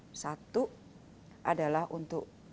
dari awal ada tiga kalau penanganan covid